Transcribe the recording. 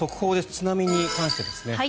津波に関してですね。